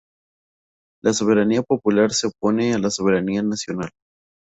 La soberanía popular se opone a la soberanía nacional.